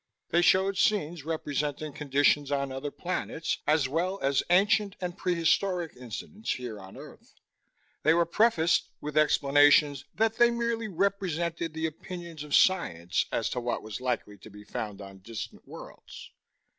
They showed scenes representing conditions on other planets, as well as ancient and prehistoric incidents here on earth. They were prefaced with explanations that they merely represented the opinions of science as to what was likely to be found on distant worlds.